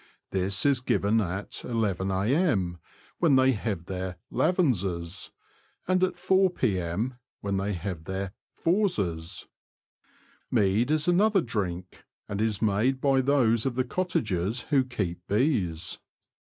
This is given at ii A.M., when they have their " lavenses,' and at 4 p.m., when they have their '' fourses." Mead is another drink, and is made by those of the cottagers who keep bees.